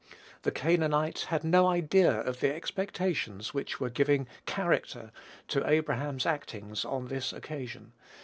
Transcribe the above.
The Canaanites had no idea of the expectations which were giving character to Abraham's actings on this occasion.